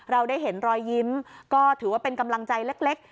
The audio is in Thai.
เราได้เห็นรอยยิ้มก็ถือว่าเป็นกำลังใจเล็ก